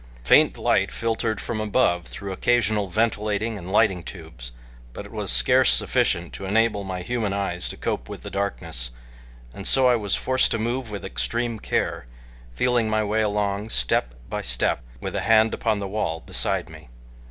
Faint light filtered from above through occasional ventilating and lighting tubes, but it was scarce sufficient to enable my human eyes to cope with the darkness, and so I was forced to move with extreme care, feeling my way along step by step with a hand upon the wall beside me.